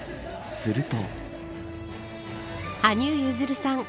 すると。